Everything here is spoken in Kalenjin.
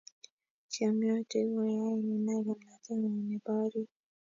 Tiemutik ko yain inai kimnatengung ne bo orit